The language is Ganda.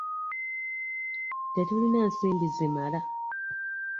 Tetulina nsimbi zimala.